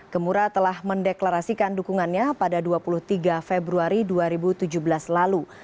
gemura telah mendeklarasikan dukungannya pada dua puluh tiga februari dua ribu tujuh belas lalu